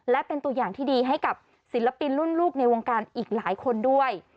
และเป็นตัวอย่างที่ดีให้กับศิลปินรุ่นลูกในวงการอีกหลายคนด้วย